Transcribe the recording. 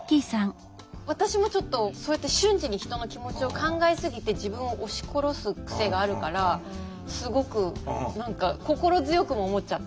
私もちょっとそうやって瞬時に人の気持ちを考えすぎて自分を押し殺す癖があるからすごく何か心強くも思っちゃった。